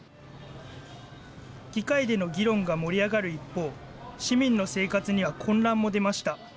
議会での議論が盛り上がる一方、市民の生活には混乱も出ました。